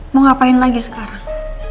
mau ngapain lagi sekarang